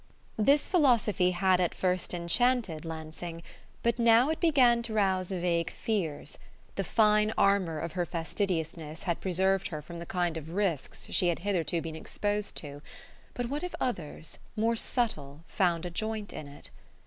This philosophy had at first enchanted Lansing; but now it began to rouse vague fears. The fine armour of her fastidiousness had preserved her from the kind of risks she had hitherto been exposed to; but what if others, more subtle, found a joint in it?